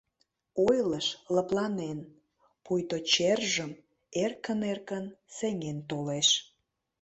Ойлыш лыпланен, пуйто чержым эркын-эркын сеҥен толеш.